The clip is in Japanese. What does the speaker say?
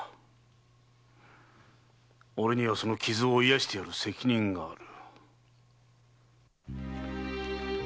俺にはその傷を癒してやる責任がある。